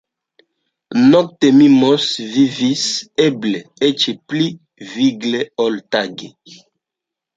Nokte Mimos vivis eble eĉ pli vigle, ol tage.